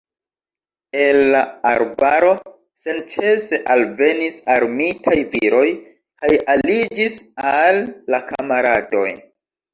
El la arbaro senĉese alvenis armitaj viroj kaj aliĝis al la kamaradoj.